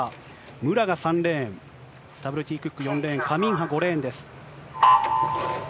武良が３レーン、スタブルティクック、４レーン、カミンハ５レーンです。